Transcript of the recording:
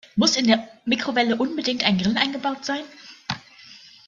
Muss in der Mikrowelle unbedingt ein Grill eingebaut sein?